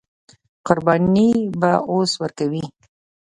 قرباني به اوس ورکوي.